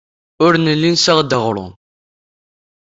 Ur nelli nessaɣ-d aɣrum.